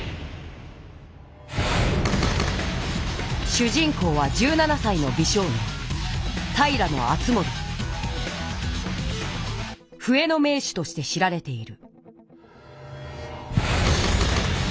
しゅ人公は１７さいの美少年ふえの名手として知られている。